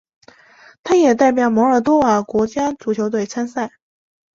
他也代表摩尔多瓦国家足球队参赛。